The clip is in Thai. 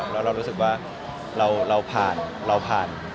แล้วเรารู้สึกว่าเราผ่านเราผ่าน